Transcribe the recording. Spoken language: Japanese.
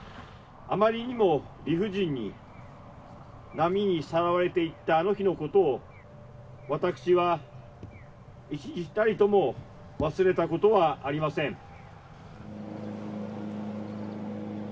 あまりにも理不尽に波にさらわれていったあの日のことを、私は一日たりとも忘れたことはありません。